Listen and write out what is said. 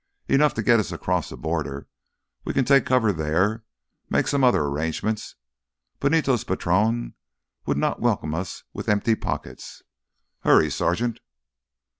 "Enough to get us across the border. We can take cover there, make some other arrangements. Benito's patrón would not welcome us with empty pockets. Hurry, Sergeant!"